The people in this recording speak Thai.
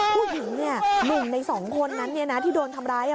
ผู้หญิงเนี่ยหนุ่มใน๒คนนั้นที่โดนทำร้าย